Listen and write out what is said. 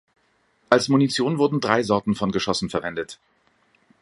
Als Munition wurden drei Sorten von Geschossen verwendet.